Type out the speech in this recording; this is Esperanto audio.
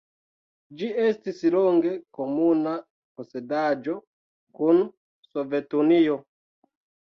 Ĝi estis longe komuna posedaĵo kun Sovetunio.